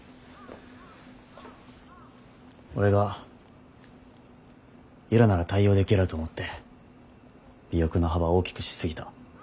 俺が由良なら対応できると思って尾翼の幅を大きくし過ぎた。